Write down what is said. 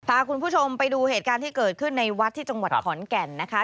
พาคุณผู้ชมไปดูเหตุการณ์ที่เกิดขึ้นในวัดที่จังหวัดขอนแก่นนะคะ